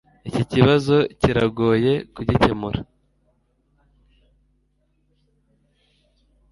Iki kibazo kiragoye kugikemura.